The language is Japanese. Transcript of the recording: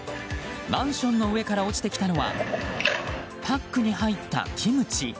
マンションの上から落ちてきたのはパックに入ったキムチ。